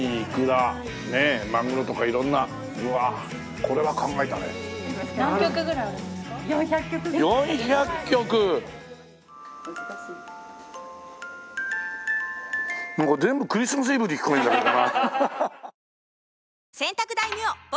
『それ行けカープ』なんか全部『クリスマス・イブ』に聴こえるんだけどな。